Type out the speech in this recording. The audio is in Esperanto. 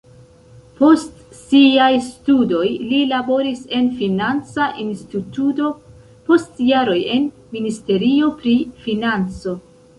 Post siaj studoj li laboris en financa instituto, post jaroj en ministerio pri financo.